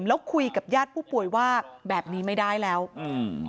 แล้วคุยกับญาติผู้ป่วยว่าแบบนี้ไม่ได้แล้วอืม